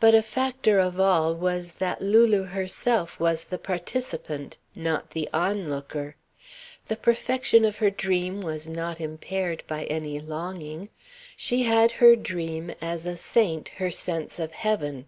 But a factor of all was that Lulu herself was the participant, not the onlooker. The perfection of her dream was not impaired by any longing. She had her dream as a saint her sense of heaven.